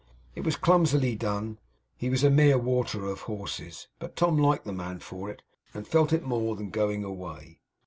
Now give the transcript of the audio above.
It was clumsily done; he was a mere waterer of horses; but Tom liked the man for it, and felt it more than going away.